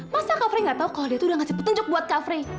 masa kak fre gak tau kalo dia tuh udah ngasih petunjuk buat kak fre